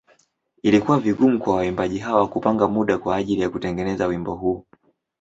Ilikuwa vigumu kwa waimbaji hawa kupanga muda kwa ajili ya kutengeneza wimbo huu.